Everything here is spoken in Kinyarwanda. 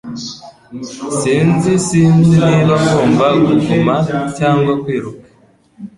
Sinzi Sinzi niba ngomba kuguma cyangwa kwiruka.